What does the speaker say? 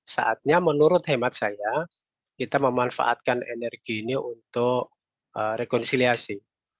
saatnya menurut hemat saya kita memanfaatkan energi ini untuk rekonsiliasi